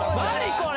これ！